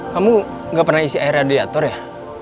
kamu gak pernah isi air radiator ya